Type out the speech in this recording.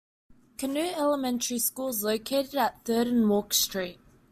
Canute Elementary School is located at Third and Walk Street.